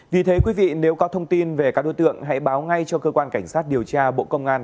vì thế quý vị nếu có thông tin về các đối tượng hãy báo ngay cho cơ quan cảnh sát điều tra bộ công an